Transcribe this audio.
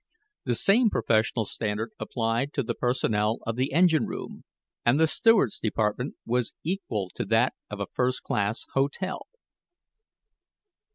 The same professional standard applied to the personnel of the engine room, and the steward's department was equal to that of a first class hotel.